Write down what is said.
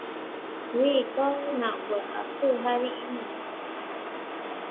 Wei kau nak buat apa hari ini.